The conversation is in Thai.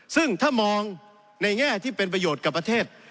ซึ่งถ้ามองในแง่ที่เป็นประโยชน์กับประเทศ